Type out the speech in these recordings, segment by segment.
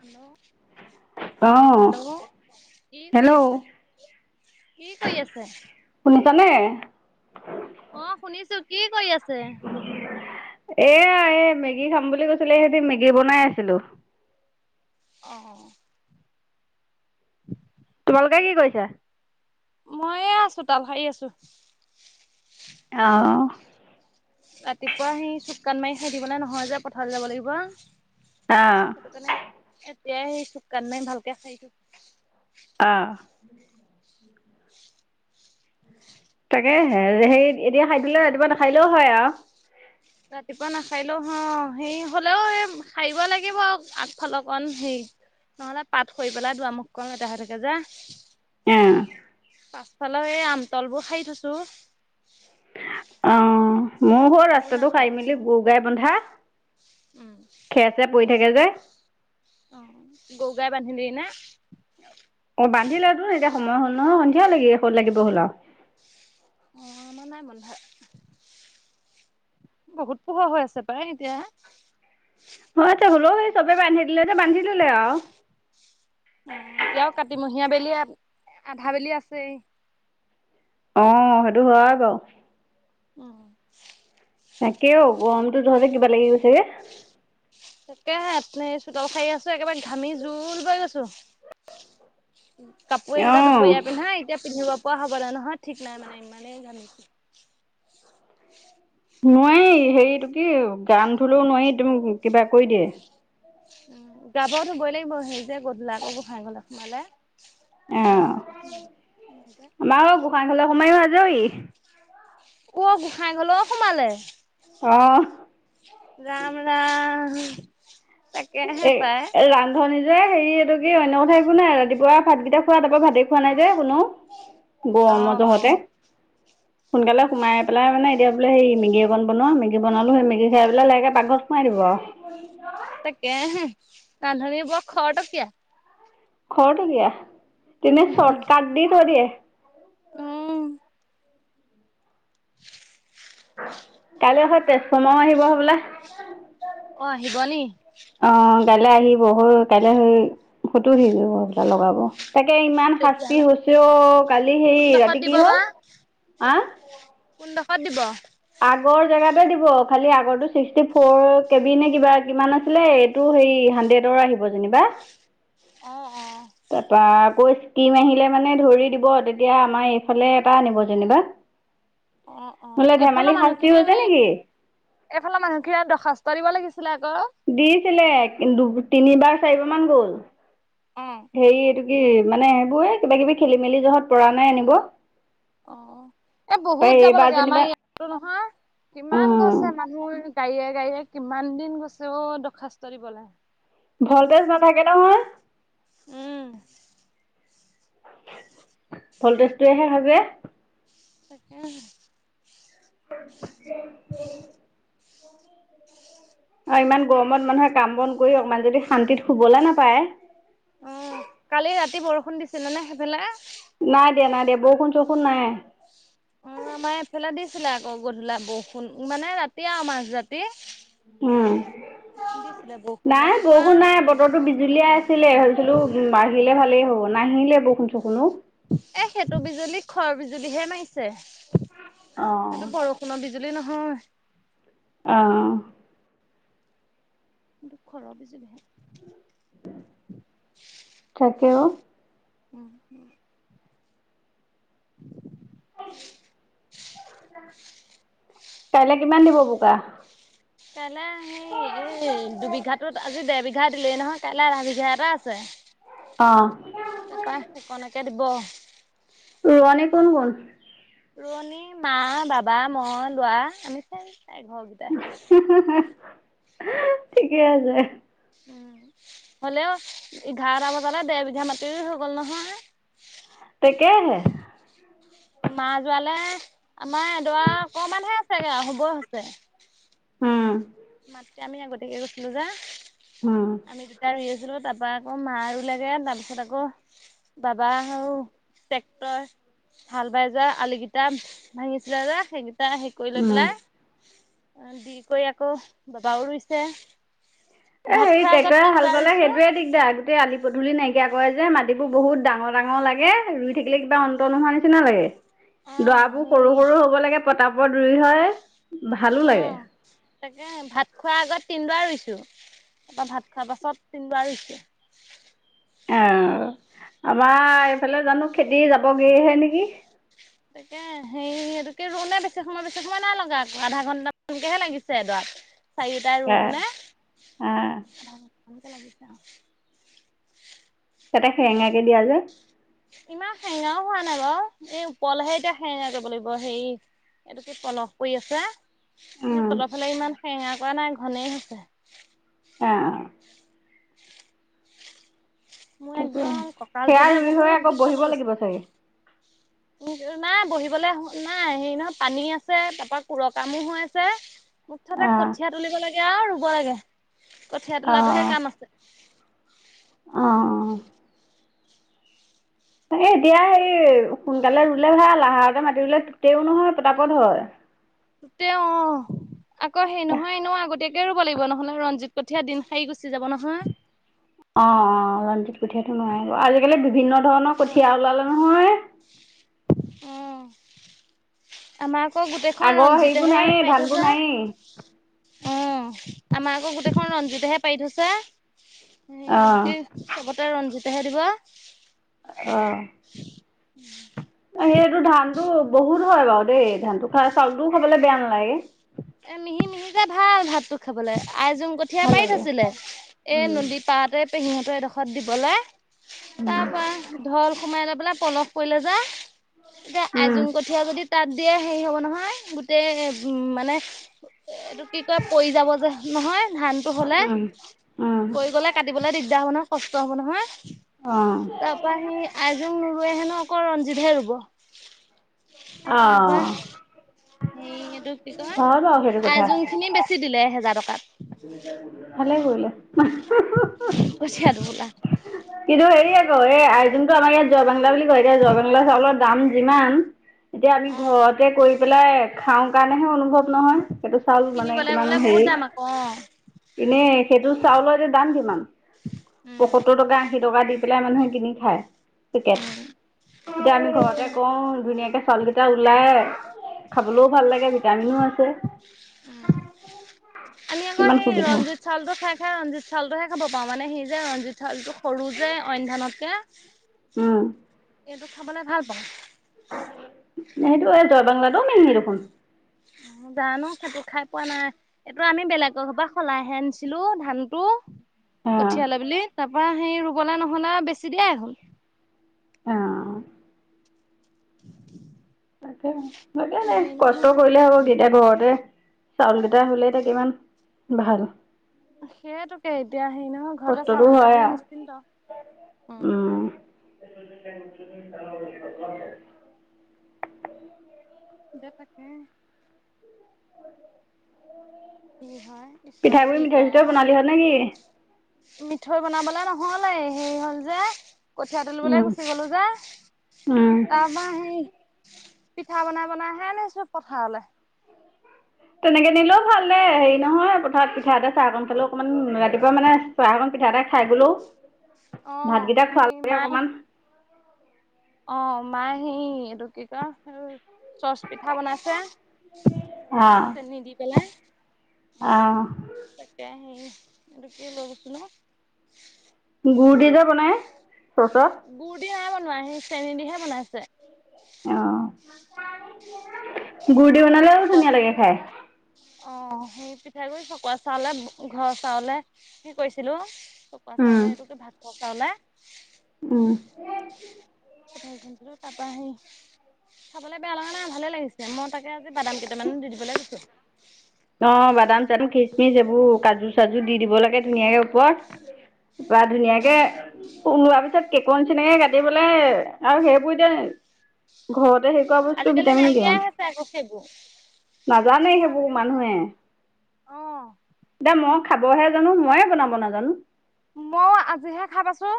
Hello অঁ hello কি কৰি হেল্ল' আছে। কি কৰি আছে? শুনিছানে অঁ শুনিছো, কি কৰি আছে? এয়া এই মেগী খাম বুলি কৈছিলে সেঁতি, মেগী বনাই আছিলো। অঁ। [unintelligible] কোনে কি কৈছা? মইয়ে এয়া চোতাল সাৰি আছো। অঁ ৰাতিপুৱা সি চুট কান মাৰি খাই দিব ন নহয় যে পথাৰলৈ যাব লাগিব। আহ। এয়াই সেই চু কান নাই ভালকে সাইছো। আহ। তাকে হেৰি এতিয়া সাই দিলে ৰাতিপুৱা নাসাৰিলেও হয় আৰু। ৰাতিপুৱা নাসাইলো হয় সেই হলেও এই সাৰিব লাগিব আৰু আগফাল অকণ সেই- নহলে পাত সৰি পেলাই দুৱাৰমুখ খন লেতেৰাহৈ থাকে যে। উম। পাছফালে এই আমতল বোৰ সাৰি থৈছো। অঁ। মোৰ হল এইবোৰ ৰাস্তাটো সাই নাসাৰিলে মেলি হ'ব। গ- গাই বন্ধা, উম খেৰ- চেৰ পৰি থাকে যে। অঁ গৰু গাই বান্ধিলি না? অঁ বান্ধিলেতো এতিয়া সময় হ'ল ন সন্ধিয়া লাগিত লাগিব হল আও। অঁ মই নাই বন্ধা। বহুত পোহৰ হৈ আছে পায় এতিয়া। মই হলেও সেই চবে বান্ধি দিলে যে বান্ধি দিলে আৰু উ এতিয়াও কাতিমহীয়া বেলি আধা বেলি আছেই। আহ সেইটো হয় বাৰু। উম। তাকেও গৰমতো যহতে কিবা লাগি গৈছেগে। তাকেহে চোতাল সাই আছো একেবাৰে ঘামি জোল বৈ গৈছো। কাপোৰ এইকেইটা দুপৰীয়া অঁ পিন্ধা এতিয়া পিন্ধিব- কোৱা হ'ব দে নহয় ঠিক নাই মানে ইমানেই ঘাঁমিছো। নোৱাৰি হেৰিটো কি গান ধলেও নোৱাৰি তুমি কিবা কৰি দিয়ে। উম যাবতো বই লাগিব হেৰি যে গধূল আকৌ গোঁসাই ঘৰত সোমালে। গা নোধোৱাকে আহ সোমাব নোৱাৰি যে আমাৰ গোঁসাই ঘৰলে সোমাই আজৰি। অ গোঁসাই ঘৰলো সোমালে, অ ৰাম ৰাম। উম। এ এ ৰান্ধনীৰ- এ হেৰি এইটো কি অন্য কথাই একো নাই ৰাতিপুৱা ভাতকেইটা খোৱা তাৰপা ভাতে খোৱা নাই যে কোনো। অ গৰমৰ অ জহতে, অ সোনকালে সোমাই পেলাই মানে- এতিয়া বোলে সেই মেগী অকন বনোৱা, মেগী বনালো সেই মেগী খাই পেলাই লাহেকে পাকঘৰ সোমাই দিব আৰু। তাকেহে ৰান্ধনী বৰ খটকীয়া। খটকীয়া তেনে শৰ্ট কাট দি থৈদিয়ে। উম। কালি আকৌ তেজফমাও আহিব হবলা? অ আহিব নি। অ কাইলৈ আহিব হৈ কাইলৈ স ফটো উঠি লগাব। তাকে ইমান শাস্তি তেতিয়াহ'লে হৈছে অ, কালি হে কোনডোখৰত ৰাতি কি দিব হল? আহ। কোনডোখত দিব? আগৰ জেগাতে দিব, খালি আগৰটো ছিক্সটি ফ'ৰ কেবি নে কিবা কিমান আছিলে এইটো হেৰি- হান্ড্ৰেডৰ আহিব যেনিবা, অ অ তাৰ পা কৈছে- তিম আহিলে মানে ধৰি দিব তেতিয়া আমাৰ এইফালে এটা আনিব যেনিবা। অ অ বোলে ধেমালি এফালৰ শাস্তি মানুহখিনিয়ে হৈছে সেই নেকি? এফালৰ মানুহখিনি দৰ্খাস্ত দিব লাগিছিল। লে ক দিছিলে কিন্তু তিনিবাৰ চাৰিবাৰ মান গ'ল অ হেৰি এইটো কি মানে এইবোৰ এই কিবা কিবি খেলি মেলি জহত পৰা নাই আনিব অ এ তাপা বহুত যাব এইবাৰ লাগে আমাৰ যেনিবা ইয়াতো নহয় কিমান উম গৈছে মানুহ গাইয়ে গাইয়ে কিমান দিন গৈছে অ দৰ্খাস্ত দিবলে। ভলটেজ নাথাকে নহয়। উম ভল্টেজটোৱেহে সাজে। তাকে। [unintelligible] আৰু ইমান গৰমত মানুহে কাম বন কৰি অকমান যদি শান্তিত শুবলে নাপায় অ কালি ৰাতি বৰষুণ দিছিলে নে সেইফালে? নাই দিয়া নাই দিয়া বৰষুণ চৰষোণ নাই। অ আমাৰ এইফালে দিছিলে আকৌ গধূলা বৰষুণ মানে ৰাতি আও মাজ ৰাতি। উম দিছিলে বৰষুণ নাই বৰষুণ ৰাতিপুৱা নাই বতৰটো বিজুলিয়াই ছিলে ভাবিছিলো আহিলে ভালেই হ'ব নাহিলে বৰষুণ চৰক্ষুন অ। এ সেইটো বিজুলী খৰ বিজুলীহে মাৰিছে, অ সেইটো বৰষুণৰ বিজু লি নহয় [inaudible] অহ দুখৰ অভিযোগহে। তাকে অ। উম উম [inaudible] কাইলে কিমান দিব বোকা? কাইলৈ আহি এই দুবিঘাটোত আজি দে বিঘা দিলে নহয় কাইলে আধা বিঘা এটা আছে। অ তাপা সেইকনকে দিব। ৰোৱনী কোন কোন ৰোৱণী মা বাবা মই লৰা আমি চাই ঘৰকেইটাই হা ঠিকে আছে। উম হ'লেও এঘাৰটা বজালে দেৰবিঘা মাতি হৈ গ'ল নহয়। তাকেহে মা যোৱালে আমাৰ এডৰা অকমানহে আছেগে হব হৈছে। উম মাটিলে আমি আগতীয়াকে গৈছিলো যে উম, আমি দুটাই ৰুই আছিলো তাত তাপা আকৌ মা ৰুলেগে তাৰপিছত আকৌ বাবা আৰু টেক্টৰ হাল বাই যোৱা আলি কিটা ভাঙিছিলে যে সেই কেইটা হেই কৰি লৈ উম। পেলাই দি কৰি আকৌ বাবাও ৰুইছে এ ভাত হেই খোৱাৰ আগত ট্ৰেক্টৰে হাল তিনবাৰ বালে ৰুইছো সেইটোয়ে দিগদাৰ গোটেই আলি পতি তুলি নাইকিয়া কৰে যে মাটিবোৰ বহুত ডাঙৰ ডাঙৰ লাগে ৰুই থাকিলে কিবা অন্তৰ নোহোৱা নিচিনা লাগে। অ দৱাবোৰ সৰু সেই সৰু হ'ব লাগে পতাপত ৰুই হয়। ভালো অ লাগে। তাকে ভাত খোৱাৰ আগত তিনদোৱা ৰুই তাপা ভাত খোৱা পাছত তিনদোৱা ৰুই অহ আমাৰ এইফালে জানো খেতি যাবগৈহে নেকি তে সেই সেটোকে ৰোওতে বেছি সময় বেছি সময় নালগা আধা ঘণ্টামানকেহে লাগিছে এদৰাত। চাৰিওটাই ৰুই অ', পিনে অ', তাতে সেৰেঙাকে দিয়া যে ইমান সেঙাও হোৱা নাই বাও এই ওপৰলেহে এতিয়া সেঙা কৰিব লাগিব হেই এইটো কি পলস পৰি আছে। এ উম, তলৰ ফালে ইমান সেঙা কৰা নাই ঘনেই হৈছে। অঁ অ [inaudible] মই তাকে একদম সেয়া কঁকালটোহে ৰুই হৈ বহুত আকৌ বিষাব বহিব লৈছে। লাগিব চাগে উ নাই বহিবলৈ নাই হেৰি নহয় পানী আছে তাৰ পৰা কুৰ কামো হৈ আছে। মুঠাতে অ', কঠীয়া তুলিব লাগে আও ৰুব লাগে। কঠীয়া তোলাটোহে অ', কাম আছে। অ', অ'। এই এতিয়া হে সোনকালে ৰুলে ভাল আহাৰতে মাতি ৰুলে তেও নহয় পতাপত হয়। তে অ আকৌ সেই অ', নহয় নো আগতে তেওঁ ৰুব লাগিব নহলে ৰঞ্জিত কঠীয়া দিন হাৰি গছে অ অ ৰঞ্জিত কঠিয়াতটো নোৱাৰাই আজিকালি বিভিন্ন ধৰণৰ অ কঠিয়া অ ওলালে নহয় আমাৰ আকৌ গোটেইখন আগৰ হেৰিবোৰ ৰঞ্জিতেহে নায়েই পাই ধানবোৰ থৈছে। নায়েই অ আমাৰ আকৌ গোটেইখন ৰঞ্জিতেহে পাৰি থৈছে। সটো অ', কি চবতে ৰঞ্জিতেহে দিব। অ সেই এইটো ধানতো বহুত হয় বাৰু দেই ধানতো খাই চাউলটোও খাবলৈ বেয়া নালাগে। এ মিহি মিহিকে ভাল ভাতটো খাবলৈ আইজোং কঠীয়া ভাল পাৰি লাগে। থৈছিলে এই উম, নদী পাৰতে। পেহিহঁতৰ এডোখৰত দিবলৈ তাৰ পৰা ঢল সোমাই অলপ পলস কৰিলে যে তেতিয়া উম, আইযোং কঠিয়া যদি। তাত দিয়ে হেৰি হ'ব নহয় গোটেই মানে এ এইটো কি কয় পৰি যাব যে নহয় ধানতটো হলে উম, উম, পৰি গলে কাটিবলে দিগ দি হব নহয় কষ্ট হ'ব নহয় অ', তাৰ পৰা সেই আইজোং নোৰুৱে হেনো ক ৰঞ্জিতহে ৰুব তাৰ পৰা। অ', হে এইটো কি কয় হয় বাৰু সেইটো কথা আজিৰ খিনি বেছি দিলে এহেজাৰ টকাত। ভালে কৰিলে কঠীয়া টোপোলা। [unintelligible] কিন্তু হেৰি আকৌ এই যোনতটো আমাৰ ইয়াত জোৱাবাংলা বুলি কয় এতিয়া জোৱাবাংলা চাউলৰ দাম যিমান এতিয়া আমি অঁ ঘৰতে কৰি পেলাই খাওঁ কাৰণেহে অনুভৱ নহয়। এইটো চাউল মানে কিনিবলে কিমান গ'লে বহুত হেৰি দাম আকৌ অঁ। এনেই সেইটো চাউলৰ এতিয়া দাম কিমান? উম। পয়সত্তৰ টকা দি পেলাই মানুহে কিনি খাই পেকেট। এতিয়া আমি তাকে ঘৰতে কৰো ধুনীয়াকে চাউলকেইটা ওলাই খাবলেও ভাল লাগে ভিটামিনো আছে। উ আমি আকৌ কিমান সেই সুবিধা ৰঞ্জিত চাউলতটো খাই খাই ৰঞ্জিত চাউল চালটোহে খাব পাওঁ মানে সি যে ৰঞ্জিত চউলটো। সৰু যে অইন ধানতকে। উম, টো খাবলে ভাল পাওঁ। সেইটো এই জয়বাংলাটোও মিহি দেখোন [inaudible] জানো সেইটো খাই পোৱা নাই এইটো আমি বেলেগৰ পৰা সলাইহে আনিছিলো ধানটো। কঠিয়ালে অঁ বুলি, তাৰপৰা সেই ৰুবলে নহ'লে বেছি দিয়াই হল। আহ। [inaudible] তাকে তাকে এনে হেৰি কষ্ট নহয় কৰিলে হ'ব কি এতিয়া ঘৰতে চাউলকেইটা হ'লে এতিয়া কি ইমান ভাল সেইয়েতোকে এতিয়া হেৰি নহয় ঘৰতে কষ্টটো চাউল কেইটা হয় হলে আৰু নিশ্চিন্ত উম। [inaudible] দে তাকে। উ হয়। পিঠাই ঈশ্বৰে গুড়ী কি মিঠাই কৰে চিঠাইও বনালি আৰু হ নেকি? মিঠৈ বনাবলে নহলে সেই হ'ল যে কঠীয়া তুলিবলৈ উম গুচি গলো যে উম তাৰপৰা সে পিঠা বনাই বনাই হে আনিচো পথাৰলে। তেনেকে নিলেও ভাল দে হেৰি নহয় পথাঅত পিঠা এটা চাহকণ পালেও অকমান ৰাতিপুৱা মানে চাহ অকণ পিঠা এটা খাই গলেও অ' ভাতকেইটাক খোৱা সেই লৈকে মায়ে অকমান অ মায়ে এটো কি কয়? চচ পিঠা বনাইছে অ' চেনি দি পেলাই। অ' তাকে সেই এইটো কি লৈ গৈচিলোঁ গু়ৰ দি যে বনাই চচত গুৰ দি নাই বনোৱা সেই চেনী দিহে বনাইছে। অ গুুৰ দি পিঠাগুৰি বনালেও চকোৱা ধুনীয়া লাগে খাই। অ সেই পিঠাগুৰি চকুৱা চাউলে ঘৰৰ চাউলে কি কৰিছিলো চকাৱা উম চাউলক এইটো কি ভাত খোৱা চাউলে। উম। পঠা খোনিছিলোঁ তাৰপা সেই খাবলে বেয়া লগা নাই ভালে লাগিছে মই তাকে তে আজি বাদাম কেইটামান দি দিবলৈ কৈছো। অ বাদাম চাদাম খিচমিচ এইবোৰ কাজু চাজু দি দিব লাগে ধুনীয়াকে ওপৰত। পৰা ধুনীয়াকে উম ওলোৱা পিছত কেকৰ নিচিনাকে কাটিবলে আৰু সেইবোৰ এতিয়া ঘৰতে সেই এনেকোৱা বস্তু আজিকালি ভিটামিন নাইকিয়াই কিমান হৈছে আকৌ সেইবোৰ নাজানে সেইবোৰ মানুহে। অ দা মই খাবহে জানো মইয়ে বনাব নাজানো। মও আজিহে খাই পাইছো।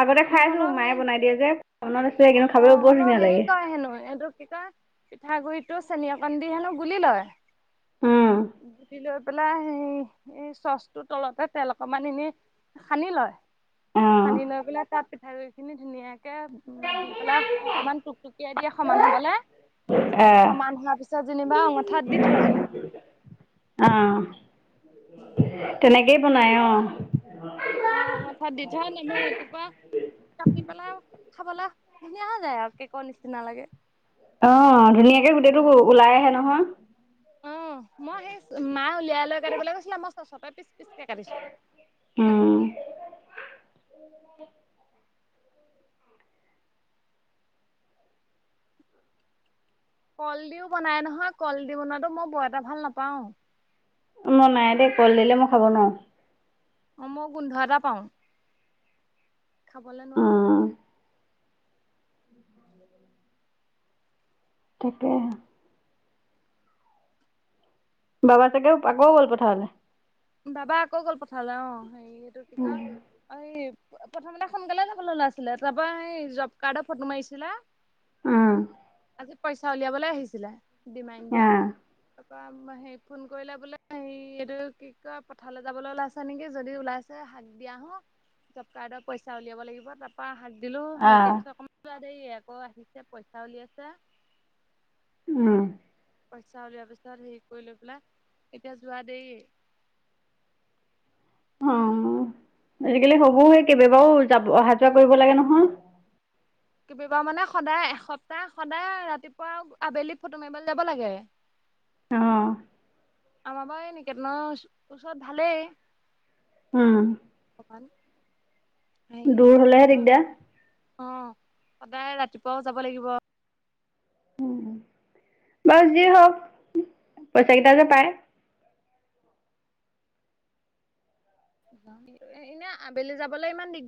আগতে খাইছো হ'লেও মায়ে সেই বনাই দিয়ে যে, মনত আছে কিন্তু অ খাবলৈও বৰ ধুনীয়া লাগে। পিঠাগুৰিতটো চেনি অকন দি হেনো গুলি লয়, উম, গুলি লৈ পেলাই সেই এই চচটোৰ তলতে তেল অকমান এনে সানি লয় অ', সানি লৈ পেলা তাত পিঠা গুৰি খিনি ধুনীয়াকে তে দি পেলাই অকনমান টুকটুকিয়াই দিয়ে সমান হবলে। আহ, সমান হোৱাৰ পিছত যেনিবা অঙঠাত দি থৈ হেনো। অহ তেনেকেই বনাই অ। অ অঙঠাত দি থও মানে ৰাতিপুৱা পেলাই খাবলৈ ধুনীয়া হৈ যায় আৰু কেকৰ নিচিনা লাগে। অ ধুনীয়াকে গোটেইটো ওলাই আহে নহয়। অ মই সেই মাই উলিয়াই লৈ কাটিবলৈ কৈছিলে মই চচতে পিছ পিছ কাটিছো উম। চাকুখনে কল দিও বনাই নহয় কল দি বনোৱাটো মই বৰ এটা ভাল নাপাও। মোৰ নাই দে কল দিলে মই খাব নোৱাৰো। অ মই গোন্ধ এটা পাও। খাবলৈ নুৱাও। উম, তাকেহে। বাবা চাগেও আকৌ গ'ল পথাৰলে। বাবা আকৌ গল পথাঅলে অ হেৰি এইটো কি কয় প্ৰথমতে সোনকালে যাবলৈ ওলাইছিলে তাৰপা সেই জব কাৰ্ডৰ ফটো মাৰিছিলে আহ আজি পইচা উলিয়াবলৈ আহিছিলে ডিমাইণ্ড দিয়া। তাৰপৰা হে ফোন কৰিলে বোলে হে এইটো কি কয় পথাললৈ যাবলৈ ওলাইছে নেকি যদি ওলাইছে হাক দি আহো। জবকাৰ্ডৰ পইচা উলিয়াব লাগিব তাৰপা শাক দিলো অ হাক দিয়া পিছত অকণমান যোৱা দেই আকৌ আহিছে পইচা উলিয়াইছে। উম। পইচা উলিয়া পিছত হেৰি কৰি লৈ পেলাই এতিয়া যোৱা দেই। অ। আজিকালি হব সেই কেইবাবাৰও যাব অহা যোৱা কৰিব লাগে নহয়। কিবা মানে সদায় এসপ্তাহ সদায় ৰাতিপুৱা আবেলি ফটো মাৰিবলৈ যাব লাগে অ। [unintelligible] আমাৰ বাৰু এই নিকেতনৰ ওচৰত ভালেই। উম ভৱান। [unintelligible] দূৰ হলে দিগদা। অ সদায় ৰাতিপুৱাও যাব লাগিব। বাউ যি হওক পইচা কেইটা যে পায়। এনে আবেলি যাবলৈ ইমান দিগদাৰ